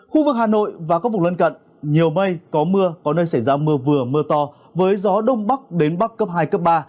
khu vực hà nội và các vùng lân cận nhiều mây có mưa có nơi xảy ra mưa vừa mưa to với gió đông bắc đến bắc cấp hai cấp ba